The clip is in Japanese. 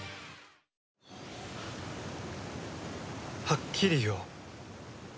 はっきり言おう。